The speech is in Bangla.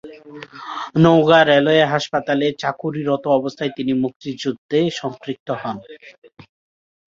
নওগাঁ রেলওয়ে হাসপাতালে চাকুরিরত অবস্থায় তিনি মুক্তিযুদ্ধে সম্পৃক্ত হন।